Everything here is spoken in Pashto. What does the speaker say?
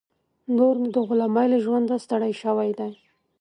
نور نو د غلامۍ له ژونده ستړی شوی دی.